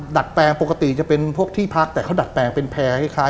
ดัดแปลงปกติจะเป็นพวกที่พักแต่เขาดัดแปลงเป็นแพร่คล้าย